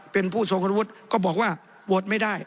เป็นผู้ทรงคุณวุฒิก็บอกว่าโหวตไม่ได้